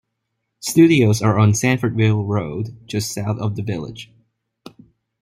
Studios are on Sanfordville Road, just south of the village.